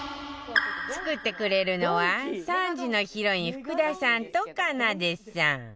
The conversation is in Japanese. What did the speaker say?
作ってくれるのは３時のヒロイン福田さんとかなでさん